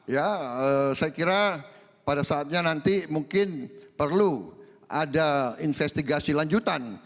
ya saya kira pada saatnya nanti mungkin perlu ada investigasi lanjutan